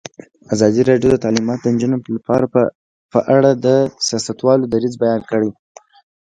ازادي راډیو د تعلیمات د نجونو لپاره په اړه د سیاستوالو دریځ بیان کړی.